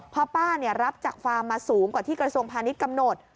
พอป้ารับจากฟาร์มมาสูงกว่าที่กระทรวงพาณิชย์กำหนด